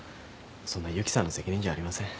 そんなゆきさんの責任じゃありません。